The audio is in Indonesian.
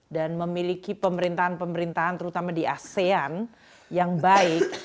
dan memiliki pemerintahan pemerintahan terutama di asean yang baik